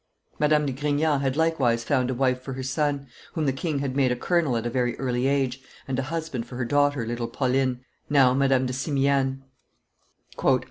Madame de Grignan had likewise found a wife for her son, whom the king had made a colonel at a very early age; and a husband for her daughter, little Pauline, now Madame de Simiane.